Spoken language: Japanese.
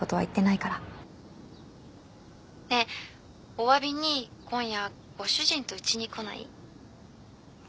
おわびに今夜ご主人とうちに来ない？えっ？